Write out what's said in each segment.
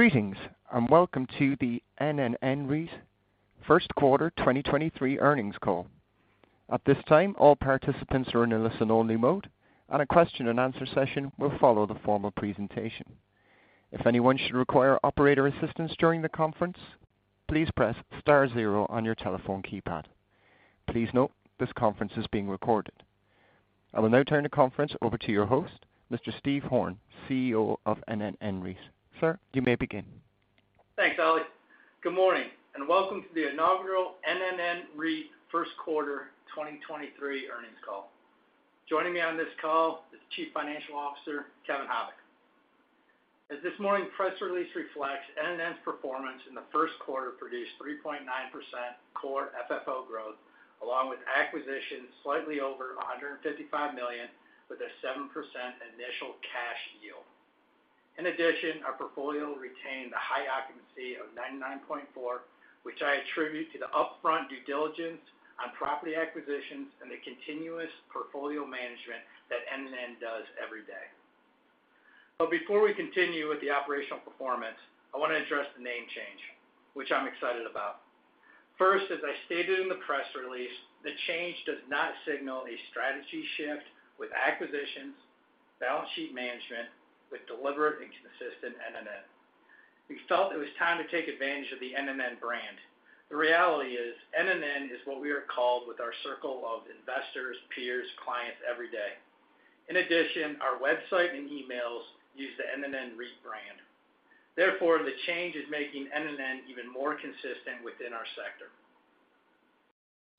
Greetings, welcome to the NNN REIT Q1 2023 Earnings Call. At this time, all participants are in a listen only mode, and a question-and-answer session will follow the formal presentation. If anyone should require operator assistance during the conference, please press star zero on your telephone keypad. Please note this conference is being recorded. I will now turn the conference over to your host, Mr. Steve Horn, CEO of NNN REIT. Sir, you may begin. Thanks, Ollie. Good morning, welcome to the inaugural NNN REIT Q1 2023 earnings call. Joining me on this call is Chief Financial Officer, Kevin Habick. As this morning's press release reflects, NNN's performance in the Q1 produced 3.9% core FFO growth, along with acquisitions slightly over $155 million, with a 7% initial cash yield. In addition, our portfolio retained a high occupancy of 99.4%, which I attribute to the upfront due diligence on property acquisitions and the continuous portfolio management that NNN does every day. Before we continue with the operational performance, I want to address the name change, which I'm excited about. First, as I stated in the press release, the change does not signal a strategy shift with acquisitions, balance sheet management with deliberate and consistent NNN. We felt it was time to take advantage of the NNN brand. The reality is NNN is what we are called with our circle of investors, peers, clients every day. In addition, our website and emails use the NNN REIT brand. Therefore, the change is making NNN even more consistent within our sector.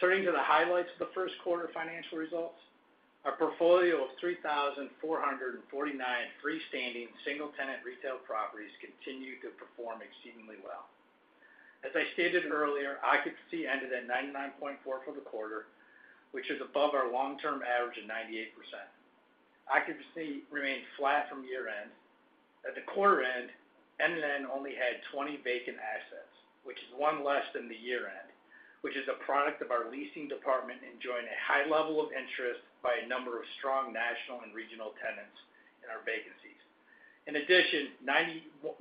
Turning to the highlights of the Q1 financial results, our portfolio of 3,449 freestanding single-tenant retail properties continued to perform exceedingly well. As I stated earlier, occupancy ended at 99.4 for the quarter, which is above our long-term average of 98%. Occupancy remained flat from year-end. At the quarter end, NNN only had 20 vacant assets, which is 1 less than the year-end, which is a product of our leasing department enjoying a high level of interest by a number of strong national and regional tenants in our vacancies. 91%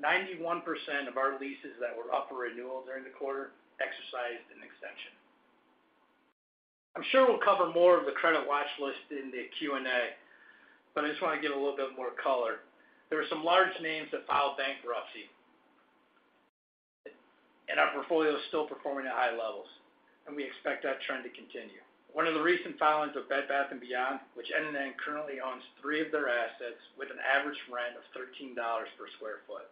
of our leases that were up for renewal during the quarter exercised an extension. I'm sure we'll cover more of the credit watch list in the Q&A, I just want to give a little bit more color. There are some large names that filed bankruptcy. Our portfolio is still performing at high levels, and we expect that trend to continue. One of the recent filings of Bed Bath & Beyond, which NNN currently owns 3 of their assets with an average rent of $13 per square foot.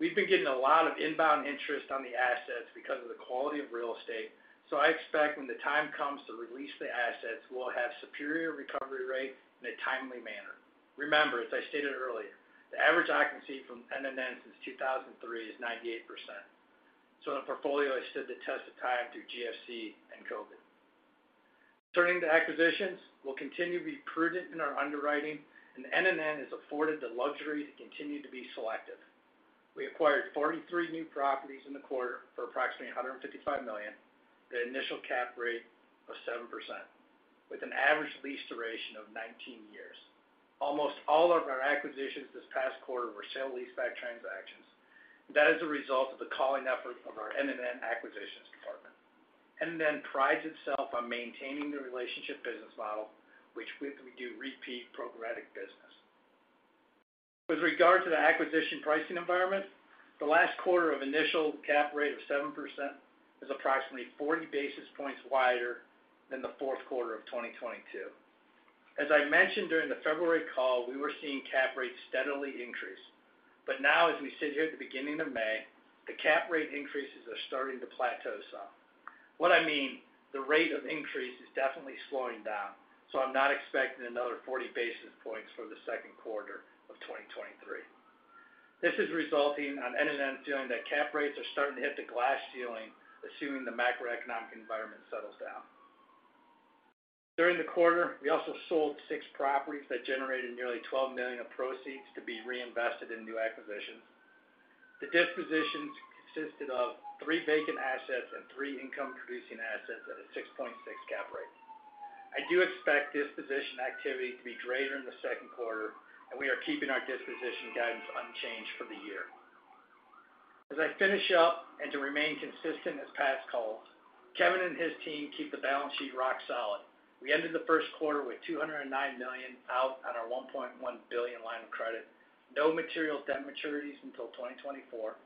We've been getting a lot of inbound interest on the assets because of the quality of real estate, so I expect when the time comes to release the assets, we'll have superior recovery rate in a timely manner. Remember, as I stated earlier, the average occupancy from NNN since 2003 is 98%. The portfolio has stood the test of time through GFC and COVID. Turning to acquisitions, we'll continue to be prudent in our underwriting, and NNN is afforded the luxury to continue to be selective. We acquired 43 new properties in the quarter for approximately $155 million, the initial cap rate of 7% with an average lease duration of 19 years. Almost all of our acquisitions this past quarter were sale-leaseback transactions. That is a result of the calling effort of our NNN acquisitions department. NNN prides itself on maintaining the relationship business model, which we can do repeat programmatic business. With regard to the acquisition pricing environment, the last quarter of initial cap rate of 7% is approximately 40 basis points wider than the Q4 of 2022. As I mentioned during the February call, we were seeing cap rates steadily increase. Now as we sit here at the beginning of May, the cap rate increases are starting to plateau some. What I mean, the rate of increase is definitely slowing down, so I'm not expecting another 40 basis points for the Q2 of 2023. This is resulting on NNN feeling that cap rates are starting to hit the glass ceiling, assuming the macroeconomic environment settles down. During the quarter, we also sold six properties that generated nearly $12 million of proceeds to be reinvested in new acquisitions. The dispositions consisted of 3 vacant assets and 3 income-producing assets at a 6.6 cap rate. I do expect disposition activity to be greater in the Q2, and we are keeping our disposition guidance unchanged for the year. As I finish up, and to remain consistent as past calls, Kevin and his team keep the balance sheet rock solid. We ended the Q1 with $209 million out on our $1.1 billion line of credit. No material debt maturities until 2024.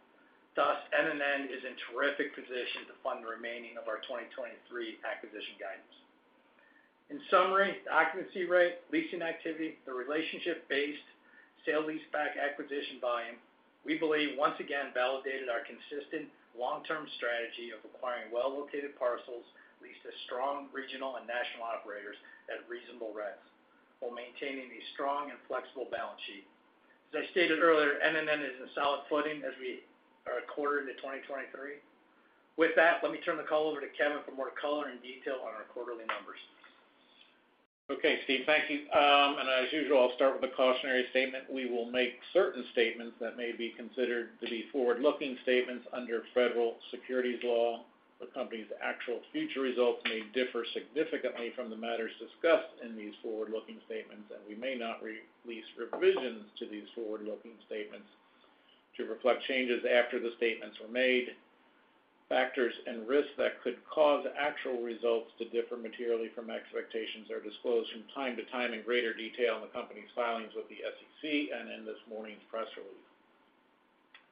Thus, NNN is in terrific position to fund the remaining of our 2023 acquisition guidance. In summary, the occupancy rate, leasing activity, the relationship-based sale-leaseback acquisition volume, we believe once again validated our consistent long-term strategy of acquiring well-located parcels, leased to strong regional and national operators at reasonable rents while maintaining a strong and flexible balance sheet. As I stated earlier, NNN is in solid footing as we are a quarter into 2023. With that, let me turn the call over to Kevin for more color and detail on our quarterly numbers. Okay, Steve. Thank you. As usual, I'll start with a cautionary statement. We will make certain statements that may be considered to be forward-looking statements under Federal Securities law. The company's actual future results may differ significantly from the matters discussed in these forward-looking statements, and we may not release revisions to these forward-looking statements to reflect changes after the statements were made. Factors and risks that could cause actual results to differ materially from expectations are disclosed from time to time in greater detail in the company's filings with the SEC and in this morning's press release.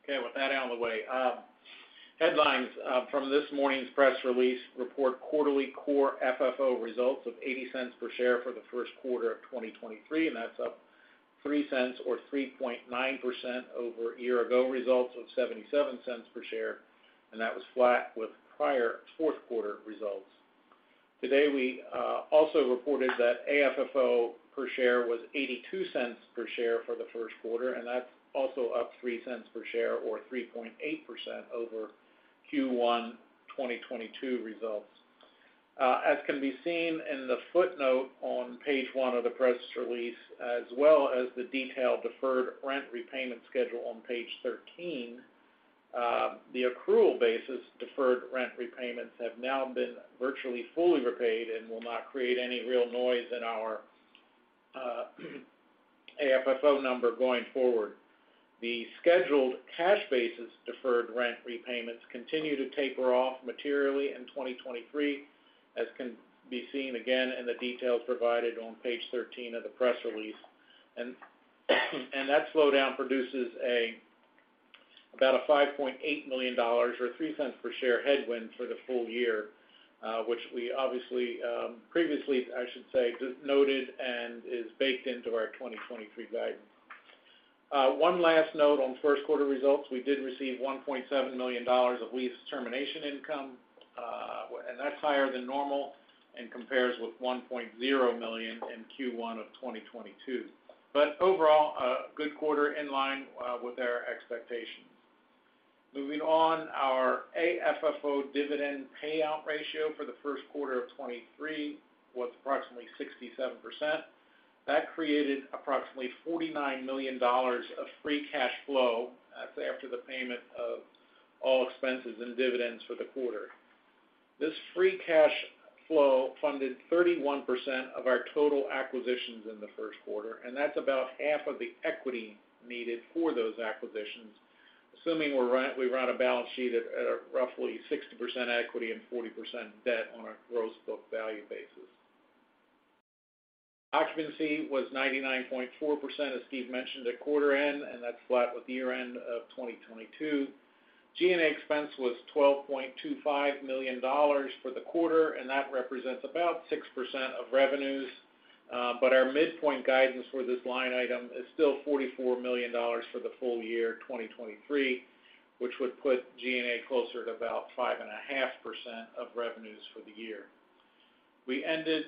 Okay, with that out of the way. Headlines from this morning's press release report quarterly core FFO results of $0.80 per share for the Q1 of 2023. That's up $0.03 or 3.9% over a year ago, results of $0.77 per share, and that was flat with prior Q4 results. Today, we also reported that AFFO per share was $0.82 per share for the Q1, and that's also up $0.03 per share or 3.8% over Q1 2022 results. As can be seen in the footnote on page 1 of the press release, as well as the detailed deferred rent repayment schedule on page 13, the accrual basis, deferred rent repayments have now been virtually fully repaid and will not create any real noise in our AFFO number going forward. The scheduled cash basis deferred rent repayments continue to taper off materially in 2023, as can be seen again in the details provided on page 13 of the press release. That slowdown produces about a $5.8 million or $0.03 per share headwind for the full year, which we obviously previously, I should say, just noted and is baked into our 2023 guidance. One last note on Q1 results. We did receive $1.7 million of lease termination income, and that's higher than normal and compares with $1.0 million in Q1 of 2022. Overall, a good quarter in line with our expectations. Moving on, our AFFO dividend payout ratio for the Q1 of 23 was approximately 67%. That created approximately $49 million of free cash flow. That's after the payment of all expenses and dividends for the quarter. This free cash flow funded 31% of our total acquisitions in the Q1 and that's about half of the equity needed for those acquisitions, assuming we run a balance sheet at a roughly 60% equity and 40% debt on a gross book value basis. Occupancy was 99.4%, as Steve mentioned, at quarter end, and that's flat with year-end of 2022. G&A expense was $12.25 million for the quarter, and that represents about 6% of revenues. Our midpoint guidance for this line item is still $44 million for the full year 2023, which would put G&A closer to about 5.5% of revenues for the year. We ended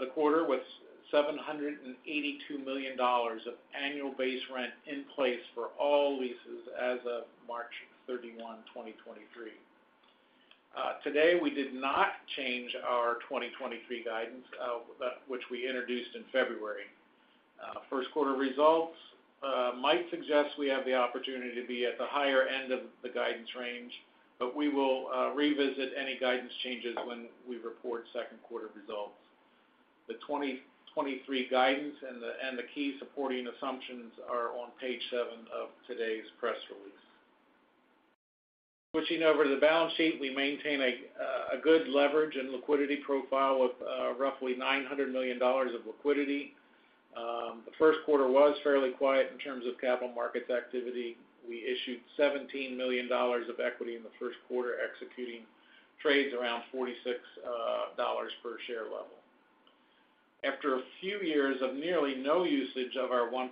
the quarter with $782 million of annual base rent in place for all leases as of March 31, 2023. Today, we did not change our 2023 guidance, but which we introduced in February. Q1 results might suggest we have the opportunity to be at the higher end of the guidance range, but we will revisit any guidance changes when we report Q2 results. The 2023 guidance and the key supporting assumptions are on page 7 of today's press release. Switching over to the balance sheet, we maintain a good leverage and liquidity profile with roughly $900 million of liquidity. The Q1 was fairly quiet in terms of capital markets activity. We issued $17 million of equity in the Q1, executing trades around $46 per share level. After a few years of nearly no usage of our $1.1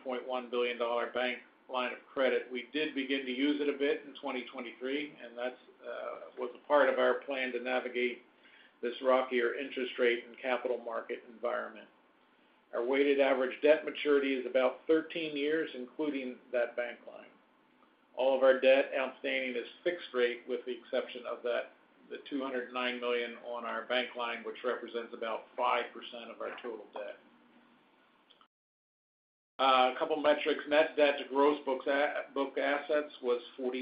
billion bank line of credit, we did begin to use it a bit in 2023, and that's was a part of our plan to navigate this rockier interest rate and capital market environment. Our weighted average debt maturity is about 13 years, including that bank line. All of our debt outstanding is fixed rate, with the exception of that, the $209 million on our bank line, which represents about 5% of our total debt. A couple of metrics. Net debt to gross book assets was 40.4%,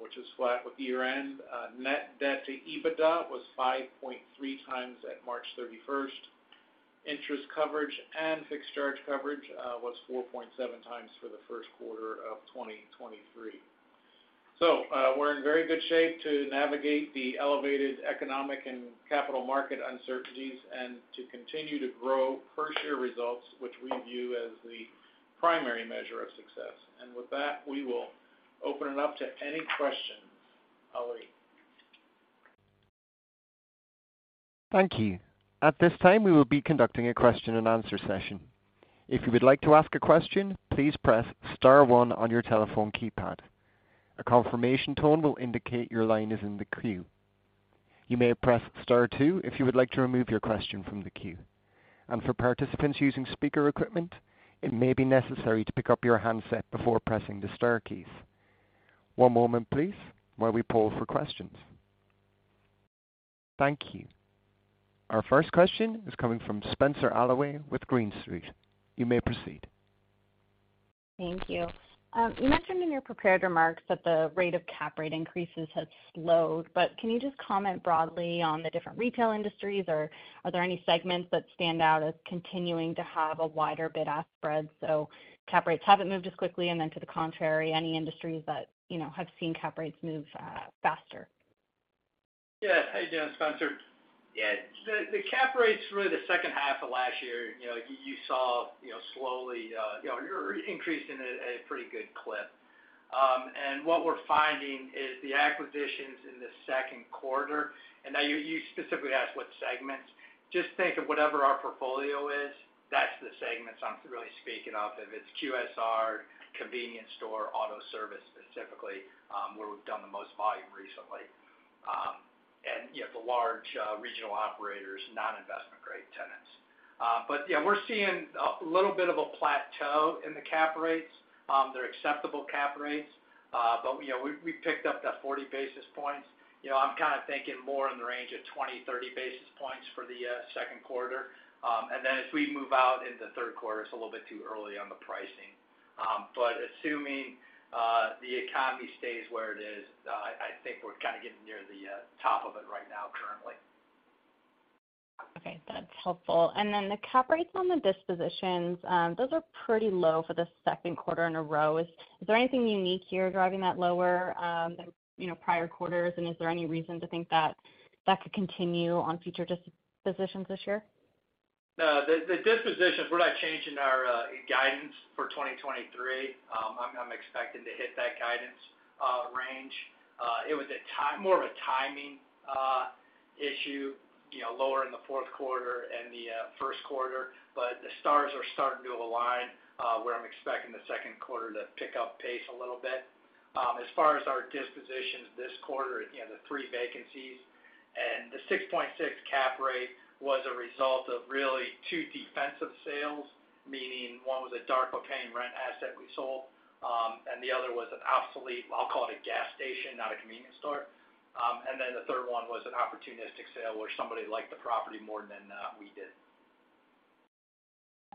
which is flat with year-end. Net debt to EBITDA was 5.3x at March 31st. Interest coverage and fixed charge coverage was 4.7x for the Q1 of 2023. We're in very good shape to navigate the elevated economic and capital market uncertainties and to continue to grow per share results, which we view as the primary measure of success. With that, we will open it up to any questions. Ali? Thank you. At this time, we will be conducting a question and answer session. If you would like to ask a question, please press star one on your telephone keypad. A confirmation tone will indicate your line is in the queue. You may press star two if you would like to remove your question from the queue. For participants using speaker equipment, it may be necessary to pick up your handset before pressing the star keys. One moment please, while we poll for questions. Thank you. Our first question is coming from Spenser Allaway with Green Street. You may proceed. Thank you. You mentioned in your prepared remarks that the rate of cap rate increases has slowed, but can you just comment broadly on the different retail industries? Are there any segments that stand out as continuing to have a wider bid-ask spread, so cap rates haven't moved as quickly? To the contrary, any industries that, have seen cap rates move faster? Yeah. How you doing, Spenser? Yeah. The cap rates really the second half of last year, you saw, slowly increased in a pretty good clip. What we're finding is the acquisitions in the Q2 Now you specifically asked what segments. Just think of whatever our portfolio is, that's the segments I'm really speaking of. If it's QSR, convenience store, auto service specifically, where we've done the most volume recently. You know, the large regional operators, non-investment grade tenants. Yeah, we're seeing a little bit of a plateau in the cap rates. They're acceptable cap rates, we picked up that 40 basis points. I'm kinda thinking more in the range of 20-30 basis points for the Q2. As we move out into Q3, it's a little bit too early on the pricing. Assuming the economy stays where it is, I think we're kinda getting near the top of it right now currently. Okay, that's helpful. Then the cap rates on the dispositions, those are pretty low for the Q2 in a row. Is there anything unique here driving that lower, than, prior quarters? Is there any reason to think that that could continue on future dispositions this year? No. The dispositions, we're not changing our guidance for 2023. I'm expecting to hit that guidance range. It was a more of a timing issue, lower in the Q4 and the Q1. The stars are starting to align, where I'm expecting the Q2 to pick up pace a little bit. As far as our dispositions this quarter, the 3 vacancies and the 6.6 cap rate was a result of really 2 defensive sales, meaning one was a dark but paying rent asset we sold, and the other was an obsolete, I'll call it a gas station, not a convenience store. The third one was an opportunistic sale where somebody liked the property more than we did.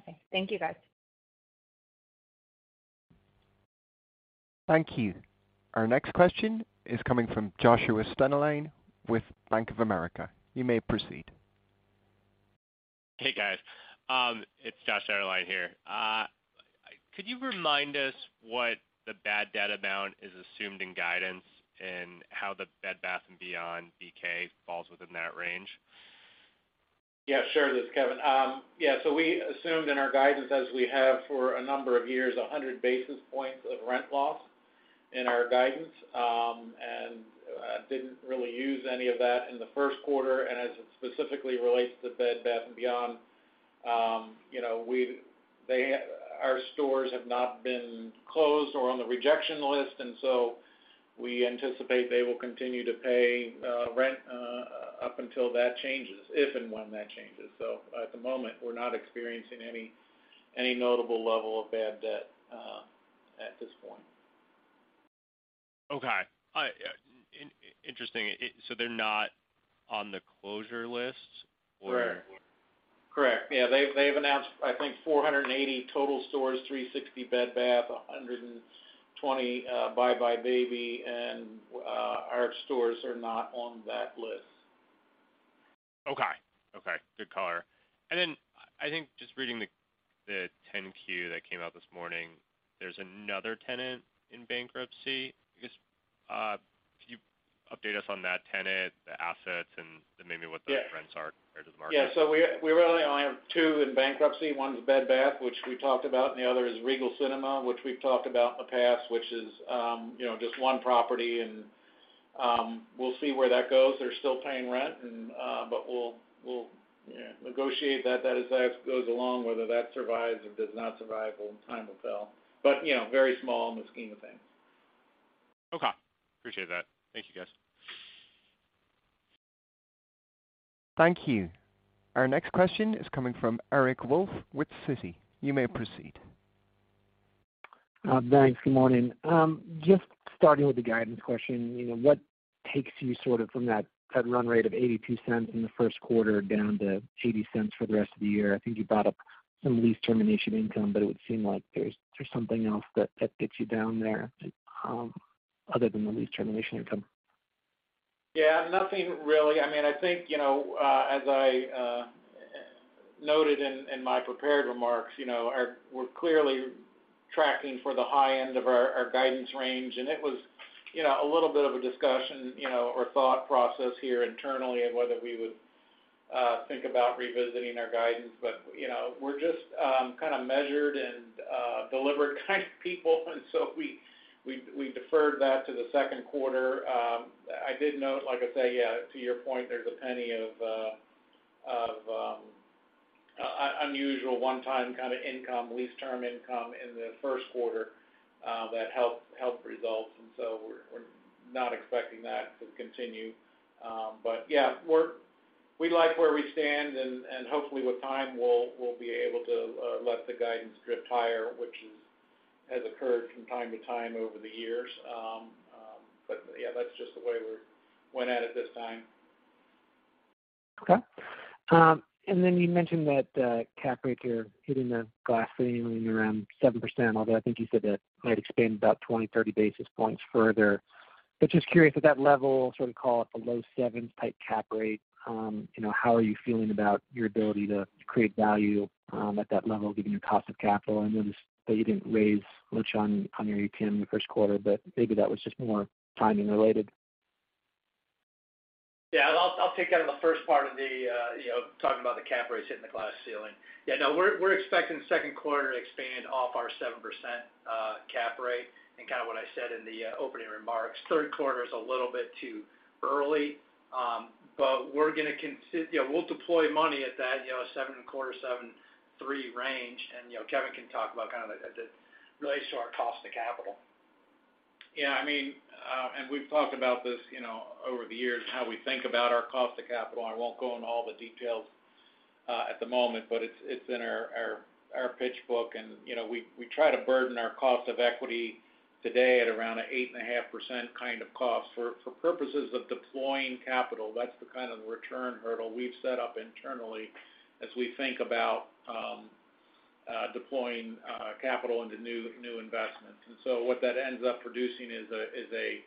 Okay. Thank you, guys. Thank you. Our next question is coming from Josh Dennerlein with Bank of America. You may proceed. Hey, guys. It's Josh Dennerlein here. Could you remind us what the bad debt amount is assumed in guidance and how the Bed Bath & Beyond BK falls within that range? Yeah, sure. This is Kevin. Yeah, so we assumed in our guidance as we have for a number of years, 100 basis points of rent loss in our guidance, and didn't really use any of that in the Q1. As it specifically relates to Bed Bath & Beyond, our stores have not been closed or on the rejection list, and so we anticipate they will continue to pay rent up until that changes, if and when that changes. At the moment, we're not experiencing any notable level of bad debt at this point. Okay. Interesting. They're not on the closure list or? Correct. Yeah, they've announced, I think 480 total stores, 360 Bed Bath, 120 buybuy BABY, and our stores are not on that list. Okay. Okay. Good color. Then I think just reading the 10-Q that came out this morning, there's another tenant in bankruptcy. I guess, can you update us on that tenant, the assets and then maybe what the rents are compared to the market? Yeah. We really only have 2 in bankruptcy. One's Bed Bath, which we talked about, and the other is Regal Cinemas, which we've talked about in the past, which is, just 1 property and we'll see where that goes. They're still paying rent and we'll, negotiate that as that goes along, whether that survives or does not survive, time will tell. You know, very small in the scheme of things. Okay. Appreciate that. Thank you, guys. Thank you. Our next question is coming from Eric Roth with Citi. You may proceed. Thanks. Good morning. Just starting with the guidance question, what takes you sort of from that run rate of $0.82 in the Q1 down to $0.80 for the rest of the year? I think you brought up some lease termination income, but it would seem like there's something else that gets you down there, other than the lease termination income. Yeah, nothing really. I mean, I think, as I noted in my prepared remarks, we're clearly tracking for the high end of our guidance range. It was, a little bit of a discussion, or thought process here internally of whether we would think about revisiting our guidance. We're just kind of measured and deliberate kind of people, we deferred that to the Q2 I did note, like I say, to your point, there's a $0.01 of unusual one-time kind of income, lease term income in the Q1 that helped results. We're not expecting that to continue. Yeah, we like where we stand and hopefully with time, we'll be able to let the guidance drift higher, which is. Has occurred from time to time over the years. Yeah, that's just the way went at it this time. Okay. You mentioned that cap rate, you're hitting the glass ceiling around 7%, although I think you said that it might expand about 20, 30 basis points further. Just curious, at that level, sort of call it the low sevens type cap rate, how are you feeling about your ability to create value at that level, given your cost of capital? I noticed that you didn't raise much on your ATM in the Q1, maybe that was just more timing related. Yeah. I'll take care of the first part of the, talking about the cap rates hitting the glass ceiling. Yeah. No, we're expecting Q2 to expand off our 7%, cap rate and kind of what I said in the, opening remarks. Q3 is a little bit too early. You know, we'll deploy money at that, 7.25, 7.3 range. Kevin can talk about kind of the relation to our cost of capital. Yeah, I mean, and we've talked about this, over the years, how we think about our weighted average cost of capital. I won't go into all the details at the moment, but it's in our pitch book. You know, we try to burden our cost of equity today at around an 8.5% kind of cost. For purposes of deploying capital, that's the kind of return hurdle we've set up internally as we think about deploying capital into new investments. What that ends up producing is a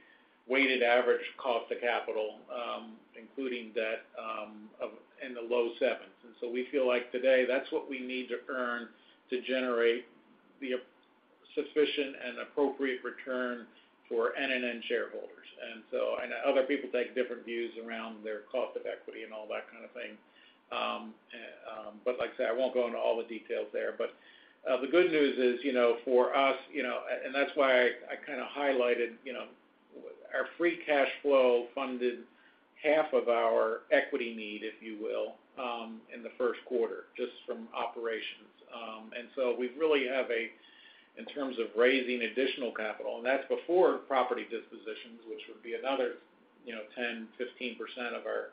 weighted average cost of capital, including debt, of in the low 7s. We feel like today that's what we need to earn to generate the sufficient and appropriate return for NNN shareholders. Other people take different views around their cost of equity and all that kind of thing. Like I said, I won't go into all the details there. The good news is, for us, and that's why I kinda highlighted, our free cash flow funded half of our equity need, if you will, in the Q1, just from operations. We really have a, in terms of raising additional capital, and that's before property dispositions, which would be another, 10-15% of our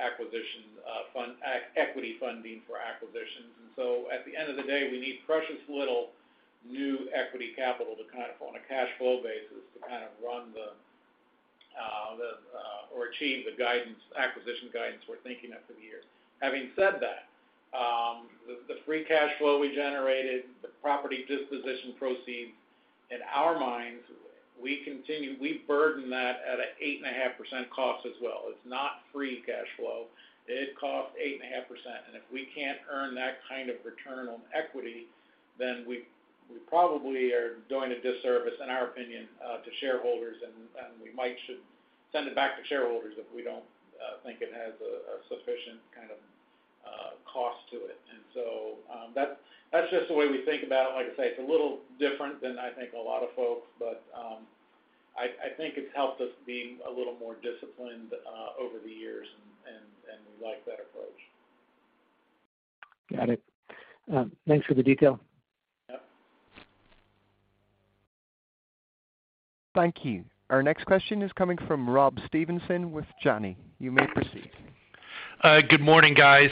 acquisition, fund equity funding for acquisitions. At the end of the day, we need precious little new equity capital to kind of on a cash flow basis to kind of run the or achieve the guidance, acquisition guidance we're thinking of for the year. Having said that, the free cash flow we generated, the property disposition proceeds, in our minds, we burden that at a 8.5% cost as well. It's not free cash flow. It costs 8.5%. If we can't earn that kind of return on equity, then we probably are doing a disservice, in our opinion, to shareholders. We might should send it back to shareholders if we don't think it has a sufficient kind of cost to it. That's just the way we think about it. Like I say, it's a little different than I think a lot of folks, but I think it's helped us being a little more disciplined over the years, and we like that approach. Got it. Thanks for the detail. Yep. Thank you. Our next question is coming from Rob Stevenson with Janney. You may proceed. Good morning, guys.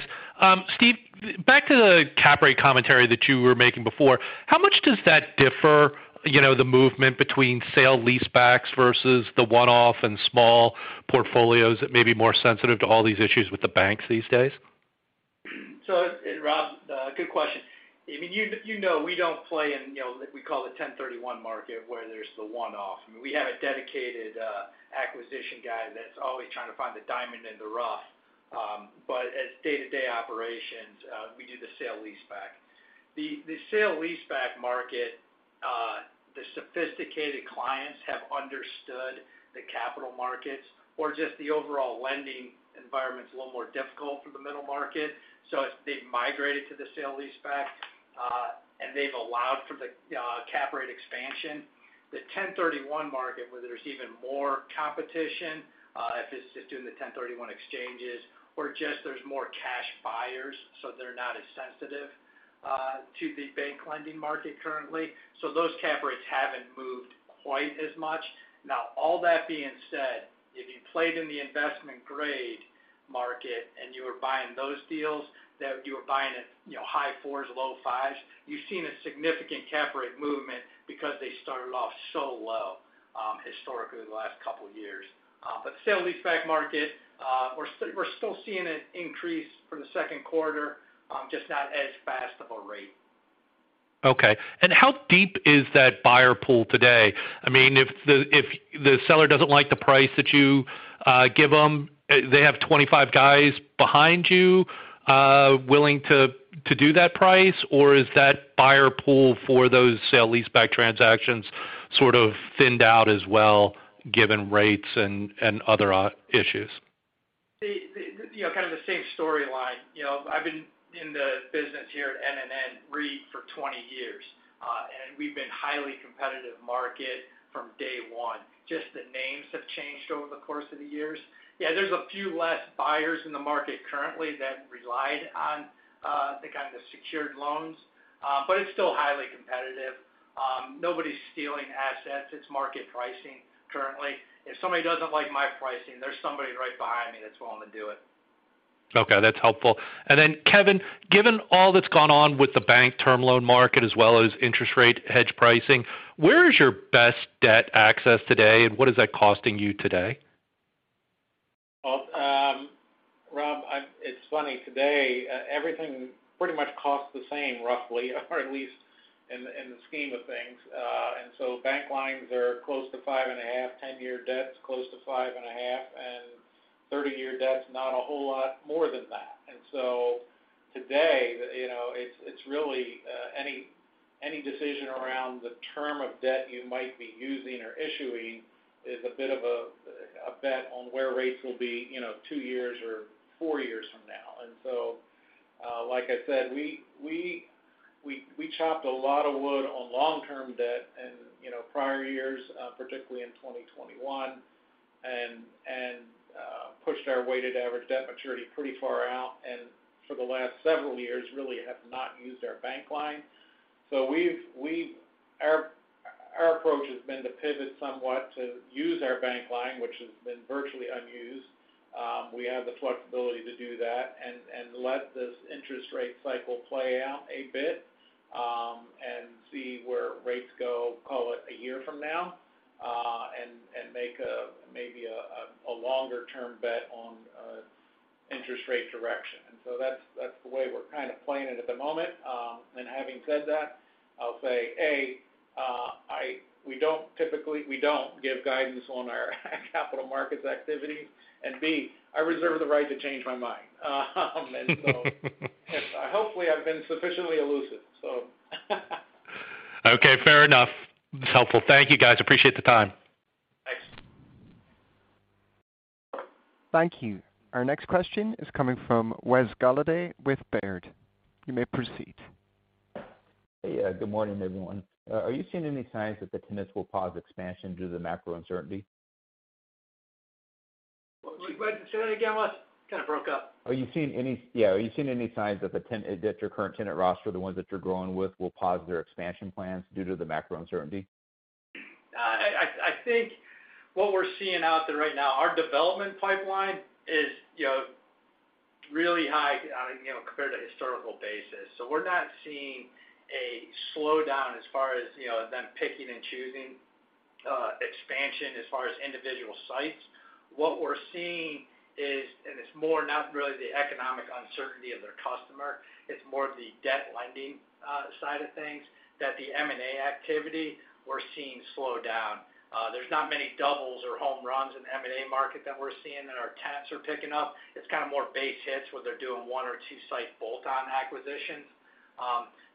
Steve, back to the cap rate commentary that you were making before. How much does that differ, the movement between sale-leasebacks versus the one-off and small portfolios that may be more sensitive to all these issues with the banks these days? Rob, good question. I mean, we don't play in, we call it 1031 market where there's the one-off. I mean, we have a dedicated acquisition guy that's always trying to find the diamond in the rough. As day-to-day operations, we do the sale-leaseback. The sale-leaseback market, the sophisticated clients have understood the capital markets or just the overall lending environment's a little more difficult for the middle market. They've migrated to the sale-leaseback, and they've allowed for the cap rate expansion. The 1031 market, where there's even more competition, if it's just doing the 1031 exchanges or just there's more cash buyers, they're not as sensitive to the bank lending market currently. Those cap rates haven't moved quite as much. All that being said, if you played in the investment grade market and you were buying those deals, that you were buying at, high fours or low fives, you've seen a significant cap rate movement because they started off so low, historically the last couple of years. Sale-leaseback market, we're still seeing an increase for the Q2, just not as fast of a rate. Okay. How deep is that buyer pool today? I mean, if the seller doesn't like the price that you give them, they have 25 guys behind you willing to do that price? Is that buyer pool for those sale-leaseback transactions sort of thinned out as well, given rates and other issues? The, kind of the same storyline. You know, I've been in the business here at NNN REIT for 20 years, and we've been highly competitive market from day one. Just the names have changed over the course of the years. There's a few less buyers in the market currently that relied on the kind of secured loans, but it's still highly competitive. Nobody's stealing assets. It's market pricing currently. If somebody doesn't like my pricing, there's somebody right behind me that's willing to do it. Okay, that's helpful. Kevin, given all that's gone on with the bank term loan market as well as interest rate hedge pricing, where is your best debt access today? What is that costing you today? Well, Rob, it's funny today, everything pretty much costs the same roughly, or at least in the scheme of things. Bank lines are close to 5.5%, 10-year debt's close to 5.5%, and 30-year debt's not a whole lot more than that. Today, it's really, any decision around the term of debt you might be using or issuing is a bit of a bet on where rates will be, 2 years or 4 years from now. Like I said, we chopped a lot of wood on long-term debt and, prior years, particularly in 2021, and pushed our weighted average debt maturity pretty far out, and for the last several years really have not used our bank line. We've our approach has been to pivot somewhat to use our bank line, which has been virtually unused, we have the flexibility to do that and let this interest rate cycle play out a bit, and see where rates go, call it 1 year from now, and make a maybe a longer-term bet on interest rate direction. That's, that's the way we're kind of playing it at the moment. Having said that, I'll say, A, we don't give guidance on our capital markets activity, and B, I reserve the right to change my mind. Hopefully, I've been sufficiently elusive, so. Okay, fair enough. It's helpful. Thank you, guys. Appreciate the time. Thanks. Thank you. Our next question is coming from Wes Golladay with Baird. You may proceed. Hey. Good morning, everyone. Are you seeing any signs that the tenants will pause expansion due to the macro uncertainty? Go ahead and say that again, Wes? Kind of broke up. Yeah, are you seeing any signs that your current tenant roster, the ones that you're growing with, will pause their expansion plans due to the macro uncertainty? I think what we're seeing out there right now, our development pipeline is, really high, compared to historical basis. We're not seeing a slowdown as far as, them picking and choosing, expansion as far as individual sites. What we're seeing is, it's more not really the economic uncertainty of their customer, it's more the debt lending, side of things that the M&A activity we're seeing slow down. There's not many doubles or home runs in the M&A market that we're seeing that our tenants are picking up. It's kind of more base hits where they're doing one or two site bolt-on acquisitions.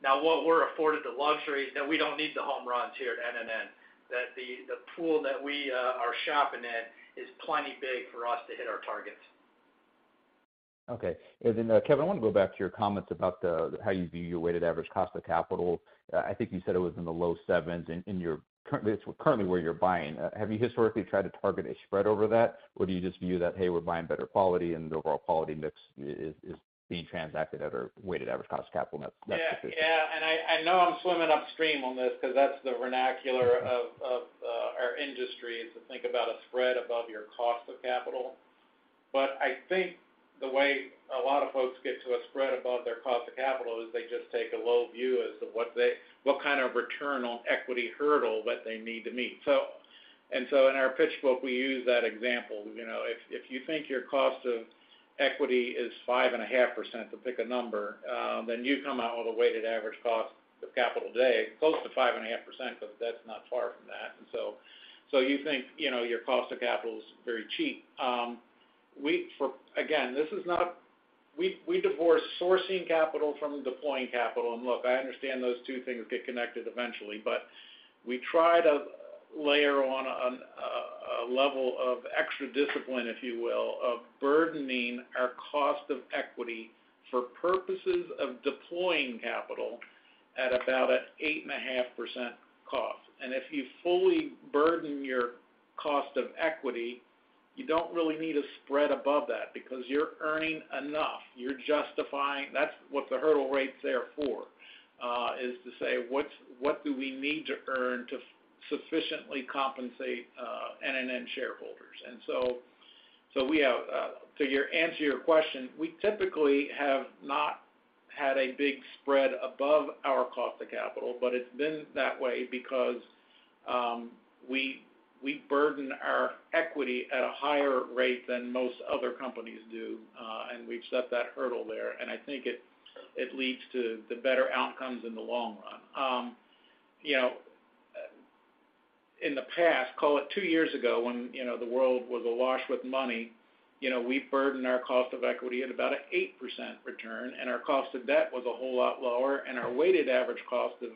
Now what we're afforded the luxury is that we don't need the home runs here at NNN. That the pool that we are shopping in is plenty big for us to hit our targets. Okay. Then, Kevin, I wanna go back to your comments about the how you view your weighted average cost of capital. I think you said it was in the low sevens in your... Currently it's currently where you're buying. Have you historically tried to target a spread over that? Or do you just view that, "Hey, we're buying better quality, and the overall quality mix is being transacted at our weighted average cost of capital," and that's sufficient? Yeah. Yeah. I know I'm swimming upstream on this 'cause that's the vernacular of our industry, is to think about a spread above your cost of capital. I think the way a lot of folks get to a spread above their cost of capital is they just take a low view as to what kind of return on equity hurdle that they need to meet. In our pitch book, we use that example. You know, if you think your cost of equity is 5.5%, to pick a number, then you come out with a weighted average cost of capital today, close to 5.5%. That's not far from that. You think, your cost of capital is very cheap. We for... Again, this is not. We divorce sourcing capital from deploying capital. Look, I understand those two things get connected eventually, but we try to layer on a level of extra discipline, if you will, of burdening our cost of equity for purposes of deploying capital at about an 8.5% cost. If you fully burden your cost of equity, you don't really need a spread above that because you're earning enough. You're justifying. That's what the hurdle rate's there for, is to say, what do we need to earn to sufficiently compensate NNN shareholders? We have... Answer your question, we typically have not had a big spread above our cost of capital, but it's been that way because we burden our equity at a higher rate than most other companies do, and we've set that hurdle there. I think it leads to the better outcomes in the long run. You know, in the past, call it two years ago, when, the world was awash with money, we burdened our cost of equity at about an 8% return, and our cost of debt was a whole lot lower, and our weighted average cost of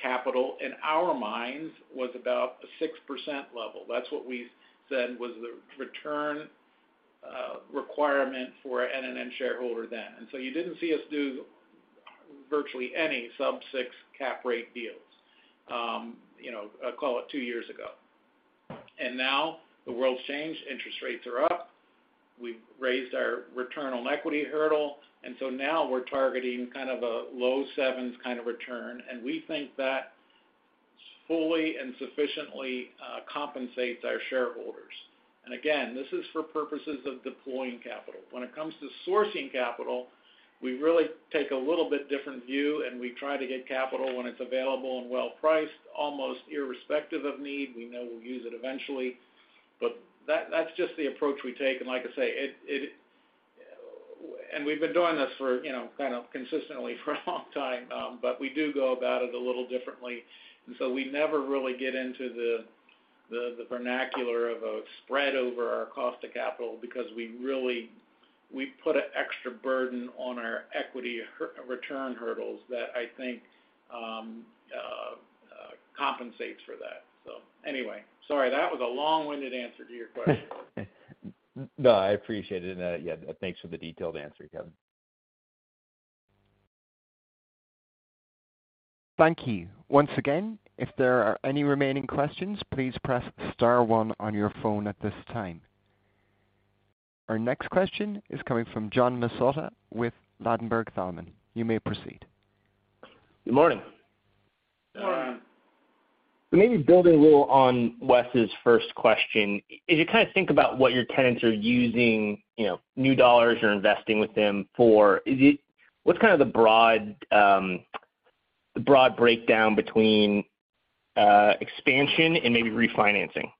capital, in our minds, was about a 6% level. That's what we said was the return, requirement for NNN shareholder then. You didn't see us do virtually any sub-6 cap rate deals, call it 2 years ago. The world's changed, interest rates are up. We've raised our return on equity hurdle, and so now we're targeting kind of a low 7s kind of return. Fully and sufficiently compensate our shareholders. Again, this is for purposes of deploying capital. When it comes to sourcing capital, we really take a little bit different view, and we try to get capital when it's available and well-priced, almost irrespective of need. We know we'll use it eventually, but that's just the approach we take. Like I say, we've been doing this for, kind of consistently for a long time, but we do go about it a little differently. So we never really get into the vernacular of a spread over our cost of capital because we really put an extra burden on our equity return hurdles that I think compensates for that. Anyway. Sorry, that was a long-winded answer to your question. No, I appreciate it. Yeah, thanks for the detailed answer, Kevin. Thank you. Once again, if there are any remaining questions, please press star one on your phone at this time. Our next question is coming from John Massocca with Ladenburg Thalmann. You may proceed. Good morning. Good morning. Maybe building a little on Wes's first question. As you kind of think about what your tenants are using, new dollars or investing with them for, what's kind of the broad broad breakdown between expansion and maybe refinancing?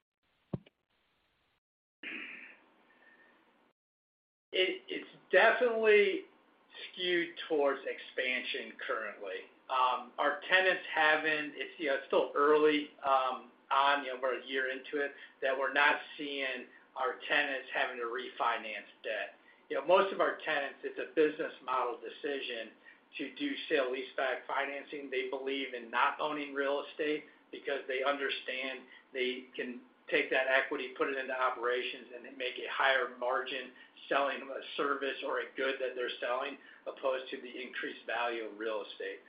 It's definitely skewed towards expansion currently. Our tenants haven't. It's still early, on, we're 1 year into it, that we're not seeing our tenants having to refinance debt. You know, most of our tenants, it's a business model decision to do sale-leaseback financing. They believe in not owning real estate because they understand they can take that equity, put it into operations, and then make a higher margin selling a service or a good that they're selling, opposed to the increased value of real estate.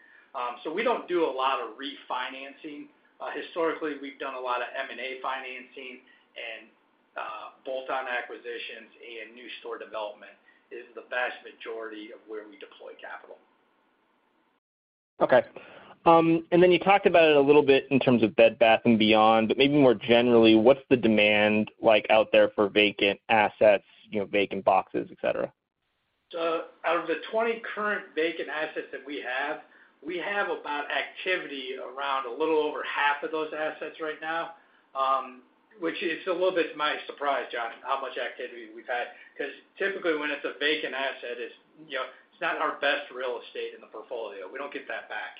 We don't do a lot of refinancing. Historically, we've done a lot of M&A financing and bolt-on acquisitions and new store development. It is the vast majority of where we deploy capital. Okay. You talked about it a little bit in terms of Bed Bath & Beyond, but maybe more generally, what's the demand like out there for vacant assets, vacant boxes, et cetera? Out of the 20 current vacant assets that we have, we have about activity around a little over half of those assets right now, which is a little bit to my surprise, John, how much activity we've had. 'Cause typically when it's a vacant asset, it's not our best real estate in the portfolio. We don't get that back.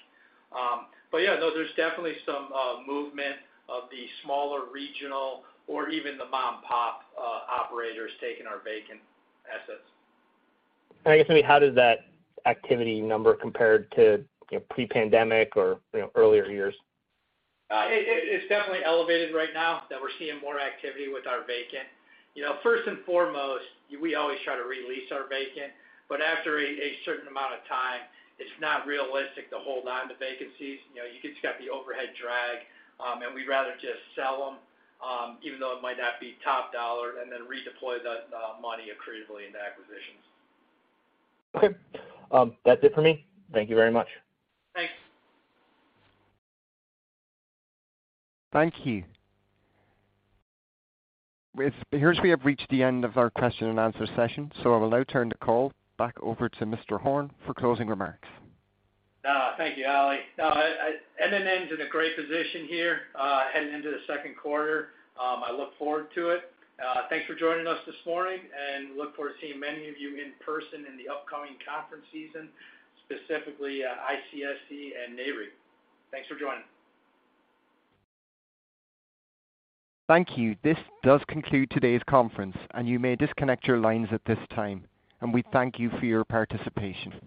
Yeah. No, there's definitely some movement of the smaller regional or even the mom-and-pop operators taking our vacant assets. I guess, I mean, how does that activity number compare to, pre-pandemic or, earlier years? It's definitely elevated right now that we're seeing more activity with our vacant. You know, first and foremost, we always try to re-lease our vacant. After a certain amount of time, it's not realistic to hold on to vacancies. You know, you just got the overhead drag, and we'd rather just sell them, even though it might not be top dollar, and then redeploy that money creatively into acquisitions. Okay. That's it for me. Thank you very much. Thanks. Thank you. It appears we have reached the end of our question and answer session, so I will now turn the call back over to Mr. Horn for closing remarks. Thank you, Ali. NNN's in a great position here, heading into the Q2. I look forward to it. Thanks for joining us this morning, and look forward to seeing many of you in person in the upcoming conference season, specifically, ICSC and NAREIT. Thanks for joining. Thank you. This does conclude today's conference, and you may disconnect your lines at this time. We thank you for your participation. Thanks.